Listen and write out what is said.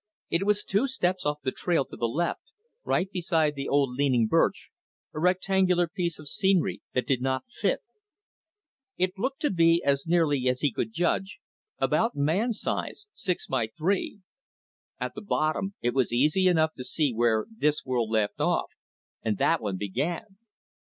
It was two steps off the trail to the left, right beside the old leaning birch, a rectangular piece of scenery that did not fit. It looked to be, as nearly as he could judge, about man size, six by three. At the bottom it was easy enough to see where this world left off and that one began.